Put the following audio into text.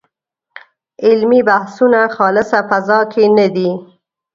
علمي بحثونه خالصه فضا کې نه دي.